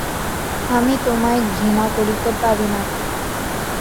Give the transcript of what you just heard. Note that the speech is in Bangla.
আমি তোমায় ঘৃণা করিতে পারি না।